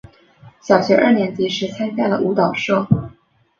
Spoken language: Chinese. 小学二年级时参加了舞蹈社。